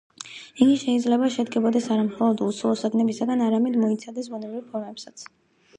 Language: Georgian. იგი შეიძლება შედგებოდეს არა მხოლოდ უსულო საგნებისაგან, არამედ მოიცავდეს ბუნებრივ ფორმებსაც.